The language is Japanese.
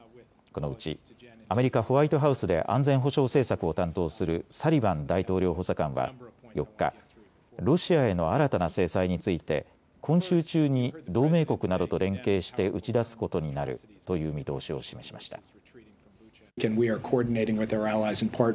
このうち、アメリカ・ホワイトハウスで安全保障政策を担当するサリバン大統領補佐官は４日、ロシアへの新たな制裁について今週中に同盟国などと連携して打ち出すことになるという見通しを示しました。